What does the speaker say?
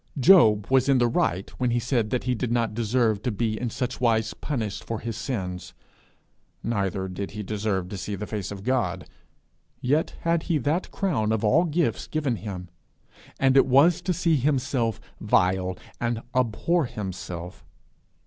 Job was in the right when he said that he did not deserve to be in such wise punished for his sins: neither did he deserve to see the face of God, yet had he that crown of all gifts given him and it was to see himself vile, and abhor himself.